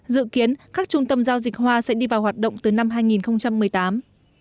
dự kiến các trung tâm giao dịch hoa sẽ đi vào hoạt động từ năm hai nghìn một mươi tám